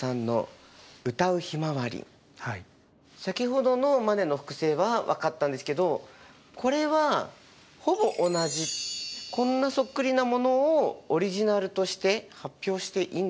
先ほどのマネの複製は分かったんですけどこれはほぼ同じこんなそっくりなものをオリジナルとして発表していいんでしょうか？